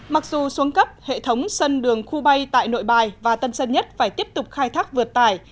mặc dù xuống cấp hệ thống sân đường khu bay tại nội bài và tân sân nhất phải tiếp tục khai thác vượt tải